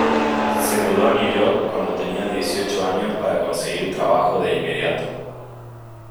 Se mudó a New York cuando tenía dieciocho años para conseguir trabajo de inmediato.